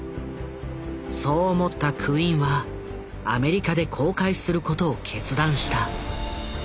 そう思ったクインはアメリカで公開することを決断した。